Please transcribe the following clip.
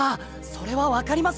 それは分かります！